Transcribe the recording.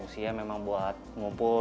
usia memang buat ngumpul